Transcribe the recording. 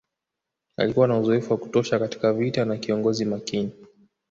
Alikuwa na uzoefu wa kutosha katika vita na kiongozi makini